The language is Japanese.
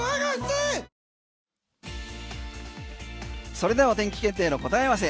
それではお天気検定の答え合わせ。